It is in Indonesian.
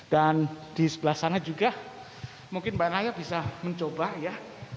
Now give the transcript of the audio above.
dan di sebelah sana juga mungkin pak naya bisa mencoba ya